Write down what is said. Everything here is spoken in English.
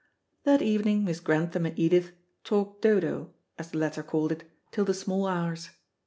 That evening Miss Grantham and Edith "talked Dodo," as the latter called it, till the small hours.